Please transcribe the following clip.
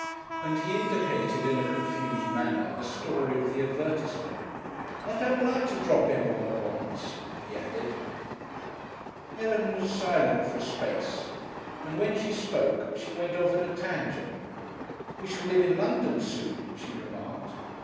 And he indicated in a confused manner the story of the advertisement. "I don't like to drop 'im all at once," he added. Helen was silent for a space, and when she spoke she went off at a tangent. "We shall live in London soon," she remarked.